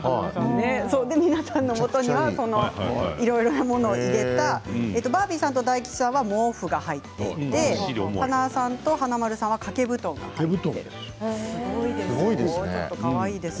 皆さんのもとにはそのいろいろなものを入れたバービーさんと大吉さんには毛布が入っていて塙さんと華丸さんには掛け布団がすごいですね。